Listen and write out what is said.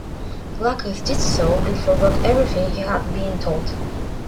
Glaucus did so and forgot everything he had been taught.